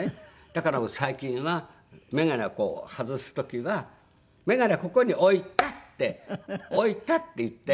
だからもう最近は眼鏡をこう外す時は「眼鏡はここに置いた」って「置いた」って言って。